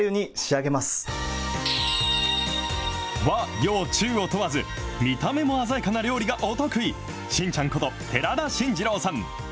和洋中を問わず、見た目も鮮やかな料理がお得意、真ちゃんこと寺田真二郎さん。